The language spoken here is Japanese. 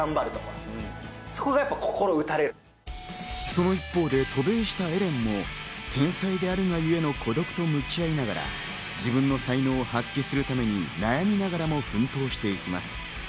その一方で渡米したエレンも天才であるが故の孤独と向き合いながら、自分の才能を発揮するために悩みながらも奮闘していきます。